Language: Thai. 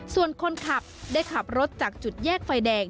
ส่วนคนขับได้ขับรถจากจุดแยกไฟแดง